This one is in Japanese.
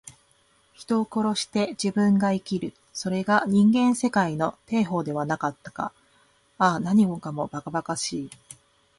人を殺して自分が生きる。それが人間世界の定法ではなかったか。ああ、何もかも、ばかばかしい。